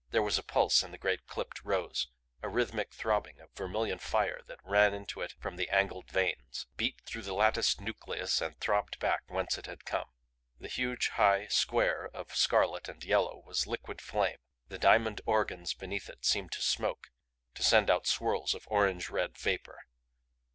There was a pulse in the great clipped rose, a rhythmic throbbing of vermilion fire that ran into it from the angled veins, beat through the latticed nucleus and throbbed back whence it had come. The huge, high square of scarlet and yellow was liquid flame; the diamond organs beneath it seemed to smoke, to send out swirls of orange red vapor.